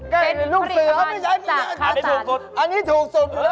เป็นลูกเสือครับอันนี้ถูกสุด